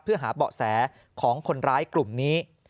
เพื่อหาเบาะแสของคนร้ายกลุ่มนี้